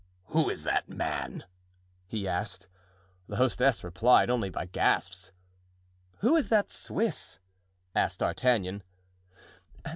"Who is that man?" he asked. The hostess replied only by gasps. "Who is that Swiss?" asked D'Artagnan.